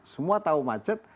semua tahu macet